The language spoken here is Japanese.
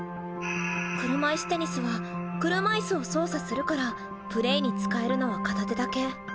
車いすテニスは車いすを操作するからプレイに使えるのは片手だけ。